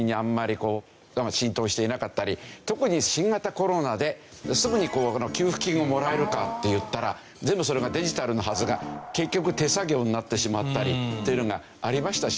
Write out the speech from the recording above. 特に新型コロナですぐに給付金がもらえるかっていったら全部それがデジタルのはずが結局手作業になってしまったりっていうのがありましたしね。